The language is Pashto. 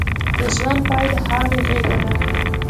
د ژوند پای د خاورې غېږه ده.